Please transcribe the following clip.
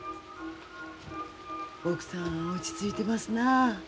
奥さん落ち着いてますなあ。